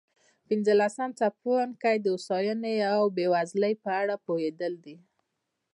پنځلسم څپرکی د هوساینې او بېوزلۍ په اړه پوهېدل دي.